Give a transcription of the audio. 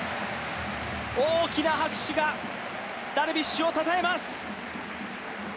大きな拍手がダルビッシュをたたえます。